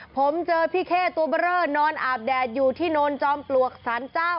ผมเจอพี่เข้ตัวเบอร์เลอร์นอนอาบแดดอยู่ที่โนนจอมปลวกสารเจ้า